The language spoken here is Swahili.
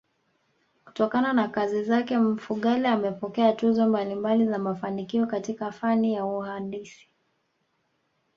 Kutokana na kazi zake Mfugale amepokea tuzo mbalimbai za mafanikio katika fani ya uhandisi